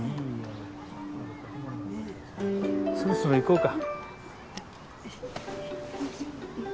そろそろ行こうか。